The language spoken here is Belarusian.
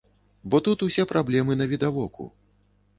Бо тут усе праблемы навідавоку.